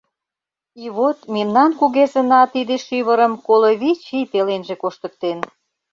И вот мемнан кугезына тиде шӱвырым коло вич ий пеленже коштыктен.